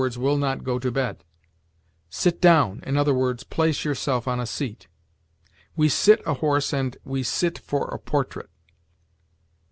will not go to bed; "Sit down," i. e., place yourself on a seat. We sit a horse and we sit for a portrait.